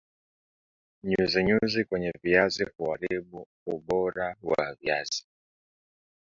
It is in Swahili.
nyuzi nyuzi kwenye viazi huaribu ubara wa viazi